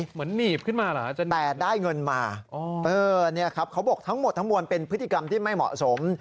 เหมือนหนีบขึ้นมาเหรอแต่ได้เงินมาเนี่ยครับเขาบอกทั้งหมดทั้งมวลเป็นพฤติกรรมที่ไม่เหมาะสม